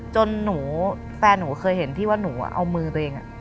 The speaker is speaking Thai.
จนหนูแฟนหนูเคยเห็นที่ว่าหนูอะเอามือตัวเองอะ